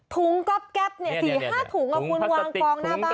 ถุงก็แก๊บ๔๕ถุงแล้วคุณวางกองหน้าบ้าน